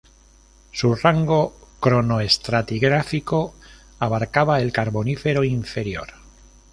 Su rango cronoestratigráfico abarcaba el Carbonífero inferior.